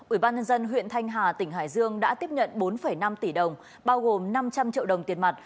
ubnd huyện thanh hà tỉnh hải dương đã tiếp nhận bốn năm tỷ đồng bao gồm năm trăm linh triệu đồng tiền mặt